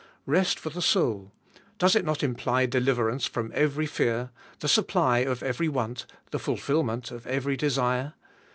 Eest for the soul,— does it not imply deliverance from every fear, the supply of every want, the fulfilment of every desire?